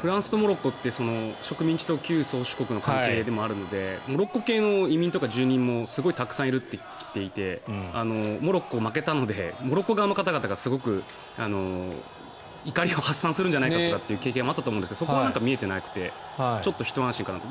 フランスとモロッコって植民地と旧宗主国の関係でもあるのでモロッコ系の移民、住民もたくさんいると聞いていてモロッコが負けたのでモロッコ側の方々がすごく怒りを発散するんじゃないかという懸念もあったと思いますがそこは見えてなくてちょっとひと安心かなと。